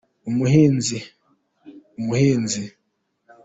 umuhinzi.